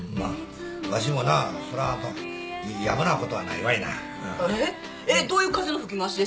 わしもなそらやぼなことはないわいな。へええっどういう風の吹き回しです？